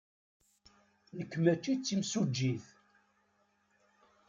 Nekk maci d timsujjit.